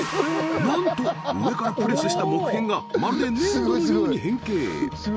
なんと上からプレスした木片がまるで粘土のように変形！